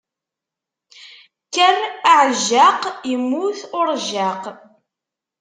Kker a ɛejjaq, immut urejjaq.